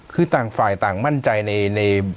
คือต่างฝ่ายต่างมั่นใจใน